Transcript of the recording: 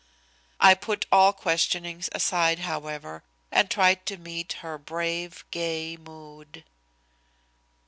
I put all questionings aside, however, and tried to meet her brave, gay mood.